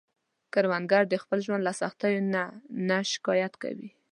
کروندګر د خپل ژوند له سختیو نه نه شکايت کوي